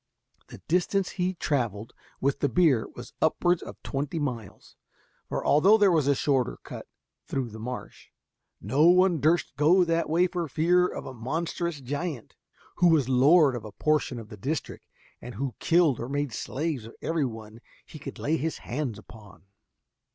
The distance he daily traveled with the beer was upwards of twenty miles, for although there was a shorter cut through the Marsh, no one durst go that way for fear of a monstrous giant, who was lord of a portion of the district, and who killed or made slaves of every one he could lay his hands upon.